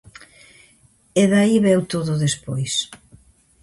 E de aí veu todo despois.